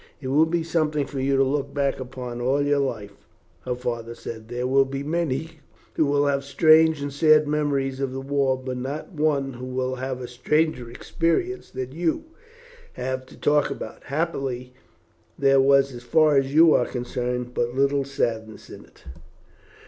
"It will be something for you to look back upon all your life," her father said. "There will be many who will have strange and sad memories of the war, but not one who will have a stranger experience than you have to talk about. Happily, there was, as far as you are concerned, but little sadness in it."